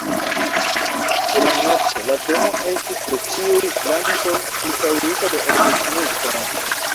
Ĉe la nokto la domo estis de ĉiuj flankoj ĉirkaŭita de opriĉnikoj.